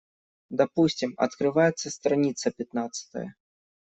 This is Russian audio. Допустим, открывается страница пятнадцатая.